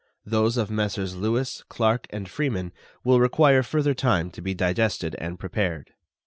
Those of Messrs. Lewis, Clarke, and Freeman will require further time to be digested and prepared.